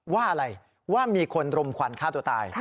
ว่าอะไรว่ามีคนรมควันฆ่าตัวตาย